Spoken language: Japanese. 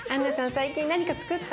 最近何かつくった？